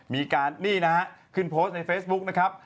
มีการนี่นะฮะขึ้นโพสต์ในเฟซบุ๊คนะครับ